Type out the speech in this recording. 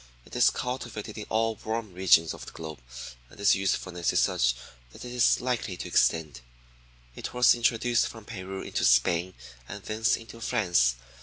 It is cultivated in all warm regions of the globe, and its usefulness is such that it is likely to extend. It was introduced from Peru into Spain, and thence into France.